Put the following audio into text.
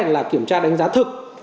là kiểm tra đánh giá thực